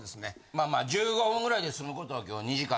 まあまあ１５分ぐらいで済むことを今日２時間。